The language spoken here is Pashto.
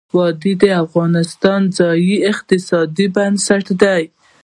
وادي د افغانستان د ځایي اقتصادونو بنسټ دی.